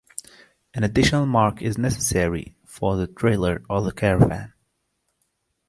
An additional mark is necessary for the trailer or the caravan.